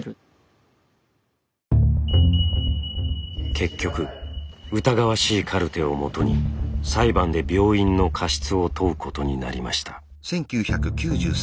結局疑わしいカルテをもとに裁判で病院の過失を問うことになりました。